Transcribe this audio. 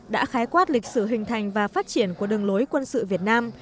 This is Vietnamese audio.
đã khái quát lịch sử hình thành và phát triển của đường lối quân sự việt nam